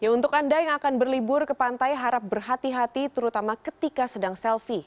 untuk anda yang akan berlibur ke pantai harap berhati hati terutama ketika sedang selfie